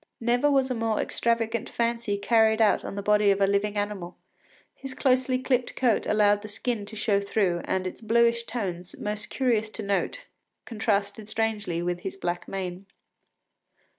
Never was a more extravagant fancy carried out on the body of a living animal; his closely clipped coat allowed the skin to show through, and its bluish tones, most curious to note, contrasted strangely with his black mane.